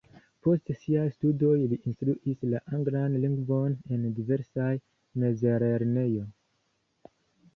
Post siaj studoj li instruis la anglan lingvon en diversaj mezlernejoj.